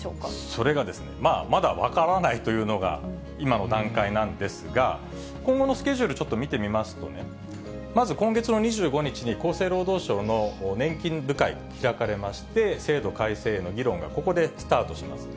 それが、まだ分からないというのが今の段階なんですが、今後のスケジュール、ちょっと見てみますとね、まず今月の２５日に、厚生労働省の年金部会、開かれまして、制度改正への議論がここでスタートします。